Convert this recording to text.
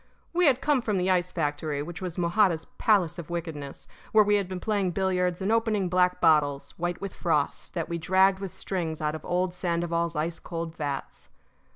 We had come from the ice factory, which was Mojada's palace of wickedness, where we had been playing billiards and opening black bottles, white with frost, that we dragged with strings out of old Sandoval's ice cold vats.